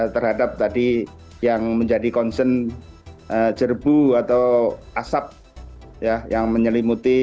terhadap tadi yang menjadi concern jerbu atau asap yang menyelimuti